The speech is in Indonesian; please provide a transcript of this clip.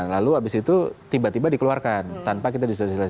lalu abis itu tiba tiba dikeluarkan tanpa kita disosialisasikan